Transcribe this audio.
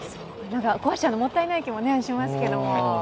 壊しちゃうのもったいない気もしますけど。